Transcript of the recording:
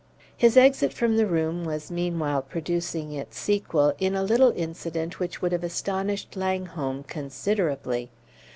His exit from the room was meanwhile producing its sequel in a little incident which would have astonished Langholm considerably.